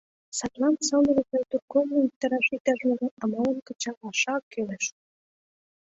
Садлан сылне литератур корным виктараш иктаж-могай амалым кычалашак кӱлеш.